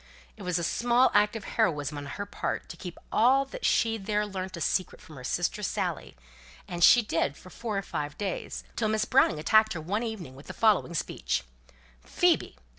It was a small act of heroism on her part to keep all that she then learnt a secret from her sister Dorothy, as she did for four or five days; till Miss Browning attacked her one evening with the following speech: "Phoebe!